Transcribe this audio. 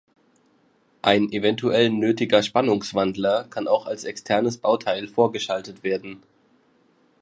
Ein eventuell nötiger Spannungswandler kann auch als externes Bauteil vorgeschaltet werden.